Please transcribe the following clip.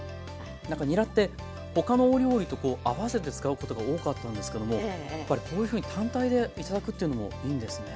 何かにらって他のお料理と合わせて使うことが多かったんですけどもこういうふうに単体で頂くっていうのもいいんですね。